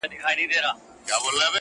د دې لپاره چي د خپل زړه اور یې و نه وژني